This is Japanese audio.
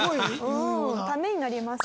ためになります。